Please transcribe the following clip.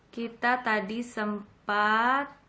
kita tadi sempat